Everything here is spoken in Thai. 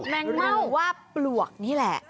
หมายถึงว่าปลวกนี่แหละ